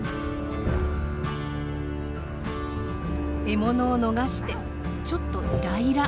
獲物を逃してちょっとイライラ。